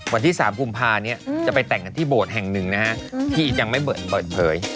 วันที่๓กุมภาเนี่ยจะไปแต่งกันที่โบสถ์แห่งหนึ่งนะฮะที่ยังไม่เปิดเผย